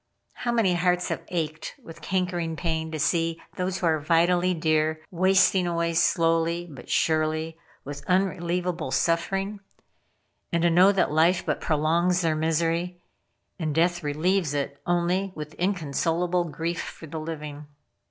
How many hearts have ached with cankering pain to see those who are vitally dear, wasting away slowly, but surely, with unrelievable suffering; and to know that life but prolongs their misery, and death relieves it only with inconsolable grief for the living.